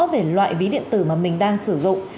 về loại ví điện tử mà mình đang sử dụng